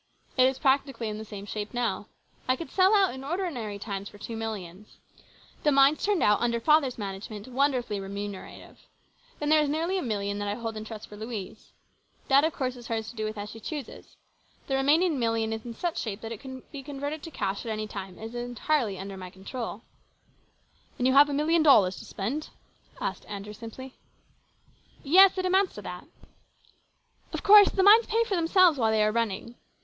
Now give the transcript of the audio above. It is practically in the same shape now. I could sell out in ordinary times for two millions. The mines turned out under father's management wonderfully remunerative. Then there is nearly a million that I hold in trust for Louise. That, of course, is hers to do with as she chooses. The remaining million is in such shape that it could be converted into cash at any time, and is entirely under my control." " Then you have a million dollars to spend ?" asked Andrew simply. " Yes, it amounts to that. Of course the mines pay for themselves while they are running.